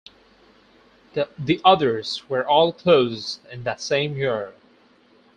The others were all closed in that same year.